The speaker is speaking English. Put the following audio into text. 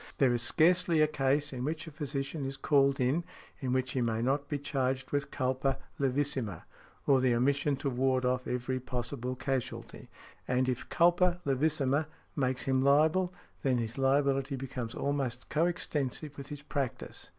There is scarcely a case in which a physician is called in, in which he may not be charged with culpa levissima, or the omission to ward off every possible casualty; and if culpa levissima makes him liable, then his liability becomes almost co extensive with his practice.